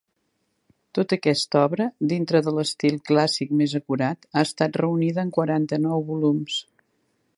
Tota aquesta obra, dintre de l'estil clàssic més acurat, ha estat reunida en quaranta-nou volums.